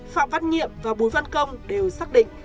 phạm văn nhiệm và bùi văn công đều xác định